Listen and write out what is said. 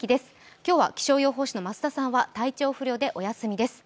今日は気象予報士の増田さんは体調不良でお休みです。